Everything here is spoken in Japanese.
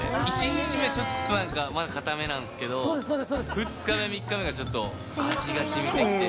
１日目はちょっとなんか、まだかためなんですけど、２日目、３日目がちょっと味がしみてきて。